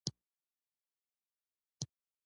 رڼا، رڼې اوبه، يو ګڼل، مشواڼۍ، مشواڼې، مڼه، هندواڼه،